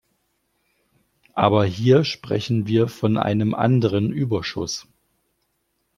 Aber hier sprechen wir von einem anderen Überschuss.